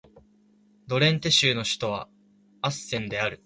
ドレンテ州の州都はアッセンである